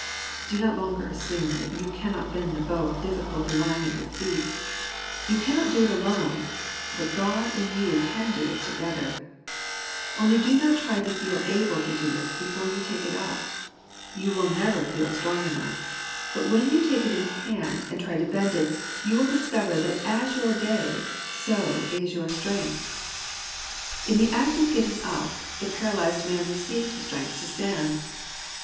Do not longer assume that you cannot bend the bow of difficulty lying at your feet. You cannot do it alone ; but God and you can do it together. Only do not try to feel able to do it before you take it up. You will never feel strong enough ; but when you take it in hand and try to j&rarre of ^|ohi£r. 169 bend it, you will discover that as your day so is your strength. In the act of getting up, the paralyzed man received strength to stand.